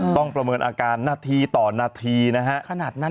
ต้องประเมินอาการนาทีต่อนาทีนะฮะ